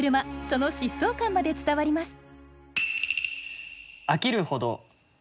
その疾走感まで伝わります。